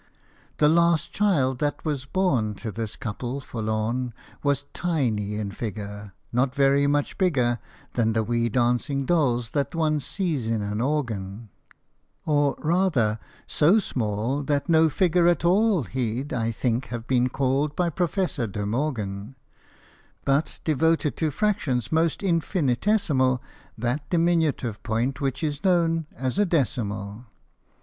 The last child that was born To this couple forlorn Was tiny in figure ; Not very much bigger Than the wee dancing dolls that one sees in an. organ ; Or rather, so small That no figure at all He'd, I think, have been called by Professor de Morgan, HOP O* MY THUMB. But devoted to fractions most infinitesimal That diminutive point which is known as a decimal.